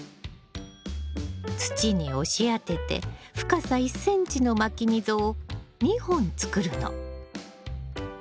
土に押し当てて深さ１ｃｍのまき溝を２本作るの。